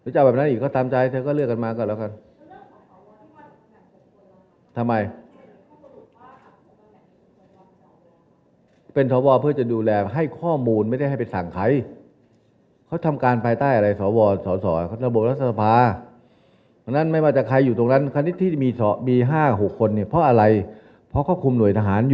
จะไปเอื้อประโยชน์อะไรใครไม่ได้อยู่แล้ว